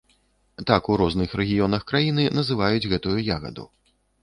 Так у розных рэгіёнах краіны называюць гэтую ягаду.